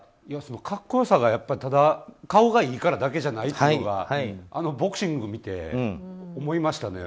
格好よさがただ顔がいいだけだからじゃないということがボクシングを見て思いましたね。